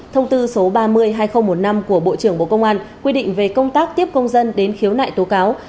thông tư số ba mươi hai nghìn một mươi năm của bộ trưởng bộ công an quy định về công tác tiếp công dân đến khiếu nại tố cáo